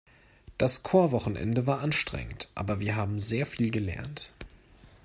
Das Chorwochenende war anstrengend, aber wir haben sehr viel gelernt.